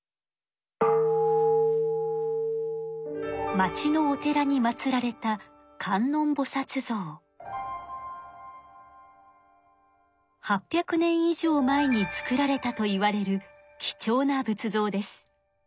町のお寺に祭られた８００年以上前に作られたといわれるきちょうな仏像です。